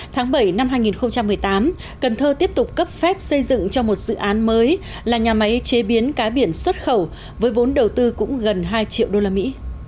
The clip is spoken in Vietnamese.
tháng bảy năm hai nghìn một mươi tám cần thơ tiếp tục cấp phép xây dựng cho một dự án mới là nhà máy chế biến cá biển xuất khẩu với vốn đầu tư cũng gần hai triệu usd